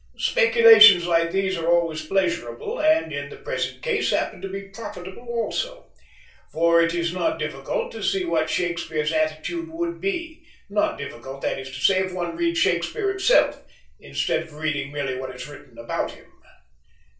Speculations like these are always pleasurable, and in the present case happen to be profitable also. For it is not difficult to see what Shakespeare's attitude would be; not difficult, that is to say, if one reads Shakespeare himself, instead of reading merely what is written about him.